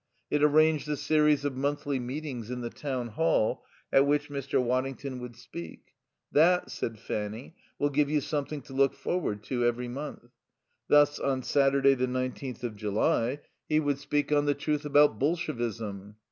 It arranged a series of monthly meetings in the Town Hall at which Mr. Waddington would speak ("That," said Fanny, "will give you something to look forward to every month.") Thus, on Saturday, the nineteenth of July, he would speak on "The Truth about Bolshevism."